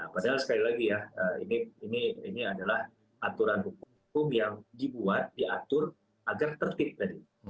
padahal sekali lagi ya ini adalah aturan hukum yang dibuat diatur agar tertib tadi